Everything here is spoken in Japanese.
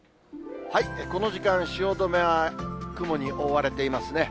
この時間、汐留は雲に覆われていますね。